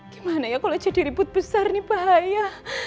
gimana ya kalo jadi ribut besar nih bahaya